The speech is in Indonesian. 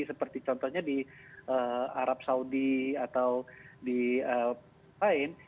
seperti contohnya di arab saudi atau di lain